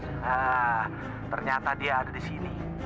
nah ternyata dia ada di sini